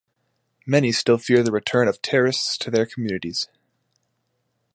Many still fear the return of terrorists to their communities.